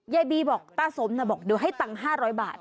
ยายบีบอกตาสมนะบอกเดี๋ยวให้ตังค์๕๐๐บาท